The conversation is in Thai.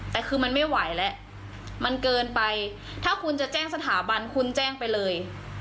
แต่คือมันไม่ไหวแล้วมันเกินไปถ้าคุณจะแจ้งสถาบันคุณแจ้งไปเลย